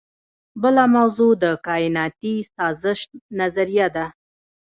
بله موضوع د کائناتي سازش نظریه ده.